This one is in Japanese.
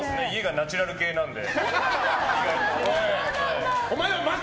ナチュラル系なんで。